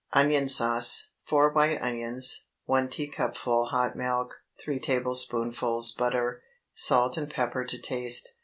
ONION SAUCE. 4 white onions. 1 teacupful hot milk. 3 tablespoonfuls butter. Salt and pepper to taste.